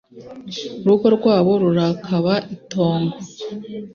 Urugo rwabo rurakaba itongo